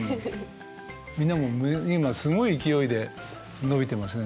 みんなもう今すごい勢いで伸びてますね。